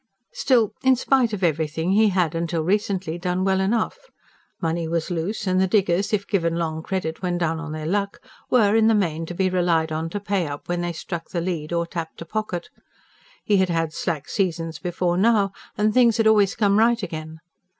Still, in spite of everything he had, till recently, done well enough. Money was loose, and the diggers, if given long credit when down on their luck, were in the main to be relied on to pay up when they struck the lead or tapped a pocket. He had had slack seasons before now, and things had always come right again.